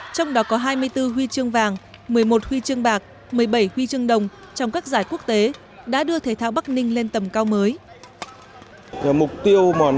trong đó có hai mươi bốn huy chương vàng một mươi một huy chương bạc một mươi bảy huy chương đồng trong các giải quốc tế đã đưa thể thao bắc ninh lên tầm cao mới